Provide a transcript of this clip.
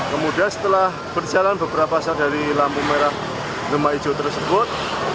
kemudian setelah berjalan beberapa saat dari lampu merah lemak hijau tersebut